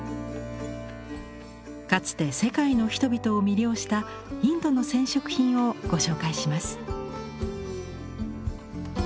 かつて世界の人々を魅了したインドの染織品をご紹介します。